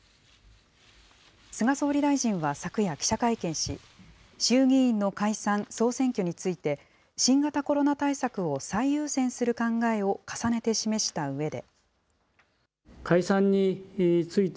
菅総理大臣は昨夜記者会見し、衆議院の解散・総選挙について、新型コロナ対策を最優先する考えを重ねて示したうえで。